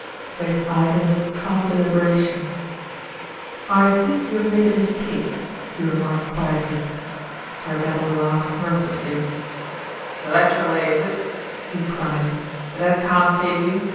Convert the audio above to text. Smith eyed him with calm deliberation. "I think you have made a mistake," he remarked quietly. Thirkettle laughed mirthlessly. "So that's your lay, is it?" he cried; "but that can't save you.